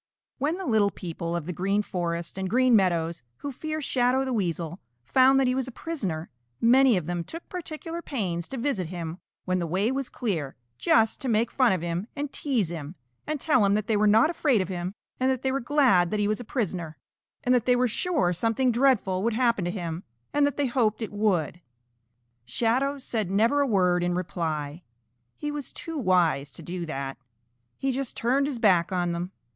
When the little people of the Green Forest and Green Meadows who fear Shadow the Weasel found that he was a prisoner, many of them took particular pains to visit him when the way was clear, just to make fun of him and tease him and tell him that they were not afraid of him and that they were glad that he was a prisoner, and that they were sure something dreadful would happen to him and they hoped it would. Shadow said never a word in reply. He was too wise to do that. He just turned his back on them.